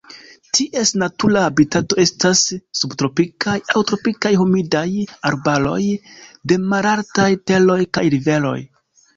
Ties natura habitato estas subtropikaj aŭ tropikaj humidaj arbaroj de malaltaj teroj kaj riveroj.